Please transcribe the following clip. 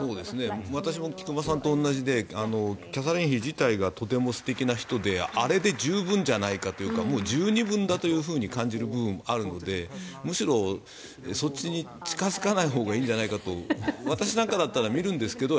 私も菊間さんと同じでキャサリン妃自体がとても素敵な人であれで十分じゃないかというか十二分だと感じる部分もあるのでむしろそっちに近付かないほうがいいんじゃないかと私なんかだったら見るんですけど